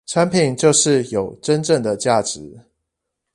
產品就是有真正的價值